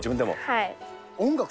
はい。